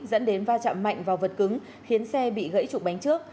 dẫn đến va chạm mạnh vào vật cứng khiến xe bị gãy trụ bánh trước